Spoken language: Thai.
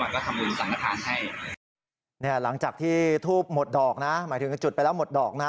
แพทย์แล้วหลังจากที่ทูบหมดดอกนะหมายถึงก็จุดไปแล้วหมดดอกนะ